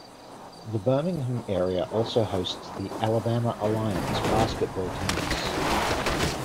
The Birmingham area also hosts the Alabama Alliance basketball teams.